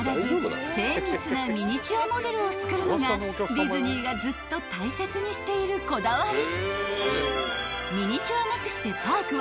［ディズニーがずっと大切にしているこだわり］